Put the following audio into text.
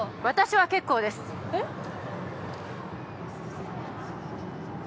私は結構ですえっ？